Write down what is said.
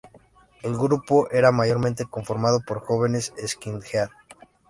El grupo era mayormente conformado por jóvenes Skinhead.